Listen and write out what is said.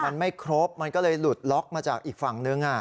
มันไม่ครบมันก็เลยหลุดล็อกมาจากอีกฝั่งนึง